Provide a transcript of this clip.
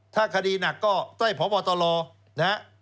ถ้าคดีหนักก็ต้องให้พบตลนะ